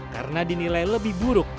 karena dinilai lebih buruk